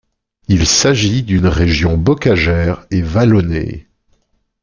Il s'agit d'une région bocagère et vallonnée.